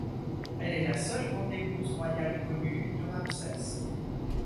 Elle est la seule grande épouse royale connue de Ramsès.